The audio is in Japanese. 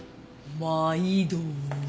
まいど。